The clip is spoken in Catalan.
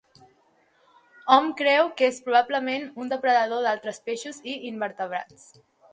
Hom creu que és, probablement, un depredador d'altres peixos i invertebrats.